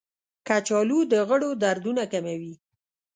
کچالو د غړو دردونه کموي.